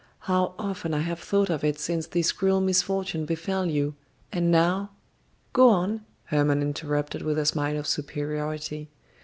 How often I have thought of it since this cruel misfortune befell you! And now " "Go on," Hermon interrupted with a smile of superiority.